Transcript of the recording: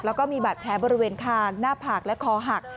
แล้วก็มีบาดแผลบริเวณคางหน้าผากและคอหัก